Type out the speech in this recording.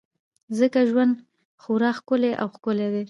ځکه ژوند خورا ښکلی او ښکلی دی.